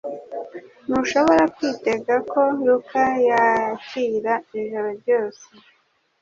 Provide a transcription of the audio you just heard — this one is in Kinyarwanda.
Ntushobora kwitega ko Luka yakira ijoro ryose